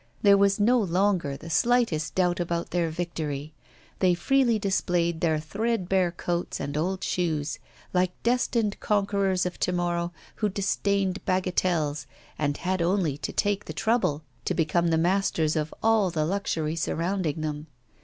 There was no longer the slightest doubt about their victory; they freely displayed their threadbare coats and old shoes, like destined conquerors of to morrow who disdained bagatelles, and had only to take the trouble to become the masters of all the luxury surrounding them.